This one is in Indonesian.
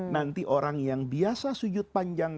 nanti orang yang biasa sujud panjang